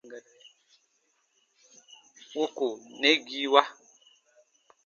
Wuku nɛgiiwa.